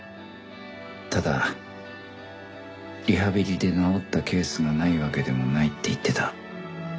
ただリハビリで治ったケースもないわけでもないって言ってた。